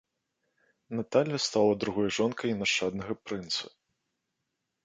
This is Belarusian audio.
Наталля стала другой жонкай нашчаднага прынца.